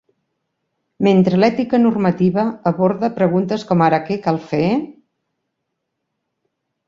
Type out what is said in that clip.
Mentre l'ètica normativa aborda preguntes com ara "Què cal fer?"